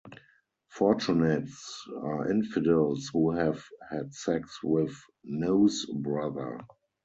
"Fortunates" are infidels who have had sex with a NoZe Brother.